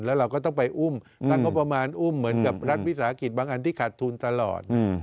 แล้วเราก็ต้องไปอุ้มตั้งงบประมาณอุ้มเหมือนกับรัฐวิสาหกิจบางอันที่ขาดทุนตลอด